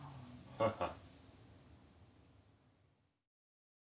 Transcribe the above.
ハハッ。